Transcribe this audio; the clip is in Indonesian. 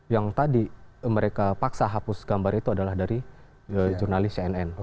yang tadi mereka paksa hapus gambar itu adalah dari jurnalis cnn